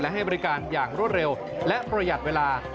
ให้บริการอย่างรวดเร็วและประหยัดเวลา